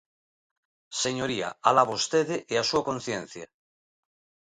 Señoría, alá vostede e a súa conciencia.